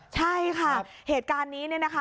ใช่ค่ะเหตุการณ์นี้เนี่ยนะคะ